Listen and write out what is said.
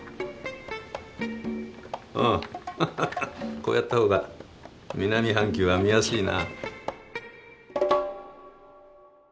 こうやった方が南半球は見やすいな。